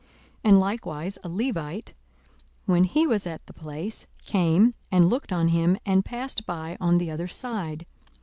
42:010:032 And likewise a Levite, when he was at the place, came and looked on him, and passed by on the other side.